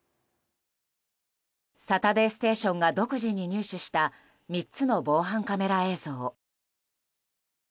「サタデーステーション」が独自に入手した３つの防犯カメラ映像。